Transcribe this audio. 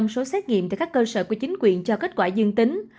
hai mươi năm số xét nghiệm tại các cơ sở của chính quyền cho kết quả dương tính